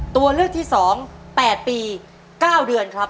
ตัวเลือกที่๒๘ปี๙เดือนครับ